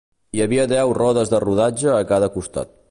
Hi havia deu rodes de rodatge a cada costat.